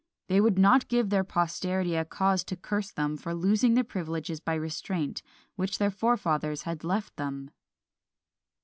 They would not give their posterity a cause to curse them for losing their privileges by restraint, which their forefathers had left them."